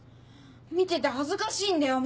見てて恥ずかしいんだよ